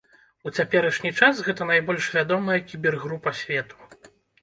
У цяперашні час гэта найбольш вядомая кібергрупа свету.